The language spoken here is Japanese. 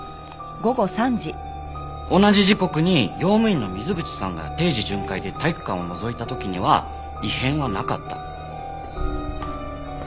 同じ時刻に用務員の水口さんが定時巡回で体育館をのぞいた時には異変はなかった。